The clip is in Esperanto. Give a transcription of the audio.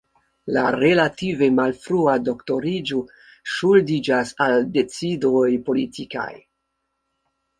La relative malfrua doktoriĝo ŝuldiĝas al decidoj politikaj.